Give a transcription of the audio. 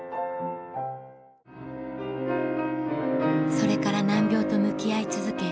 それから難病と向き合い続け